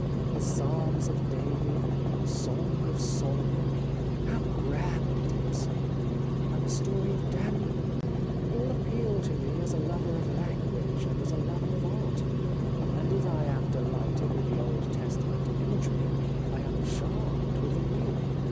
The Psalms of David ; the Song of Solomon — how grand it is !— And the story of Daniel ; all appeal to me as a lover of language, and as a lover of Art. And if I am delighted with the Old Testament imagery I am charmed with the New.